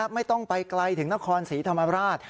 ไม่ต้องไปไกลถึงนครศรีธรรมราช